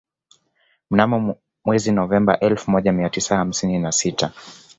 Mnamo mwezi Novemba elfu moja mia tisa hamsini na sita